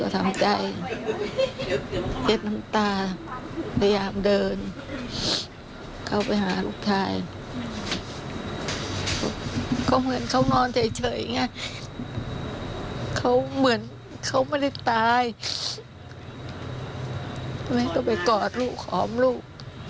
ต้องไปกอดลูกขอบลูก